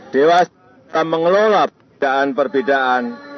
dewasa mengelola perbedaan perbedaan